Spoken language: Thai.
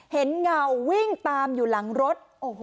เงาวิ่งตามอยู่หลังรถ